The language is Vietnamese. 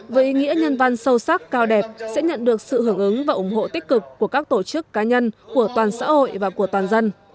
với ý nghĩa nhân văn sâu sắc cao đẹp sẽ nhận được sự hưởng ứng và ủng hộ tích cực của các tổ chức cá nhân của toàn xã hội và của toàn dân